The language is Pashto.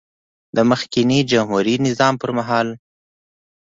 د مخکېني جمهوري نظام پر مهال